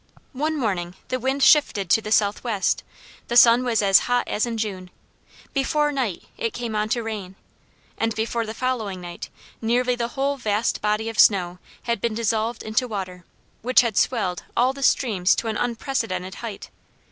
One morning the wind shifted to the southwest, the sun was as hot as in June; before night it came on to rain, and, before the following night, nearly the whole vast body of snow had been dissolved into water which had swelled all the streams to an unprecedented height.